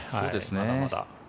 まだまだ。